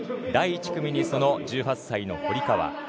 第１組に、その１８歳の堀川。